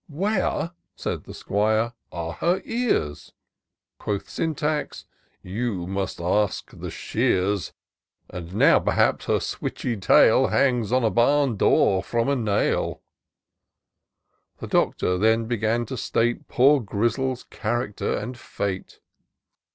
" Where," said the 'Squire, " are her ears ?" Quoth Syntax, " You must ask the shears ; And now, perhaps, her switchy tail Hangs on a barn door, ifrom a nail !" The Doctor then began to state Poor Grizzle's character and fate.